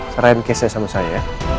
serahin case nya sama saya ya